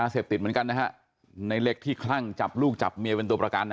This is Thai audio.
เสพติดเหมือนกันนะฮะในเล็กที่คลั่งจับลูกจับเมียเป็นตัวประกัน